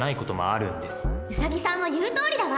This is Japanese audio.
ウサギさんの言うとおりだわ。